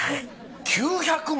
９００万？